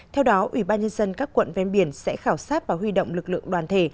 theo đó ủy ban nhân dân các quận ven biển sẽ khảo sát và huy động lực lượng đoàn thể